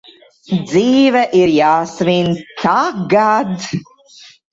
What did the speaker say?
Dzīve ir jāsvin tagad!